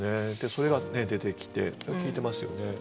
それが出てきて効いてますよね。